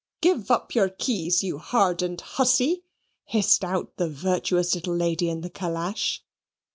"Give up your keys, you hardened hussy," hissed out the virtuous little lady in the calash.